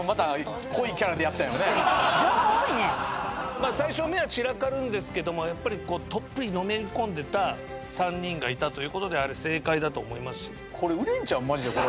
まあ最初目は散らかるんですけどもやっぱりこうとっぷりのめり込んでた３人がいたということであれ正解だと思いますし。